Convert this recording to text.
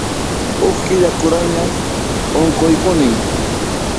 Huk killa kuraqñam unquykuni.